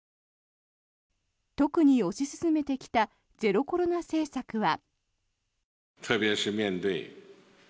特に推し進めてきたゼロコロナ政策は。